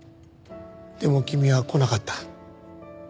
でも君は来なかった。